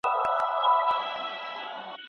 د کابل نړیوال هوایی ډګر ډېر بوخت وي.